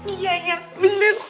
iya ya bener